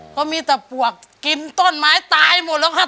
ก็มีแต่ปวกกินต้นไม้ตายหมดแล้วค่ะ